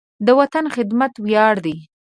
د وطن خدمت ویاړ دی.